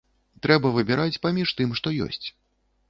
Трэба выбіраць паміж тым, што ёсць.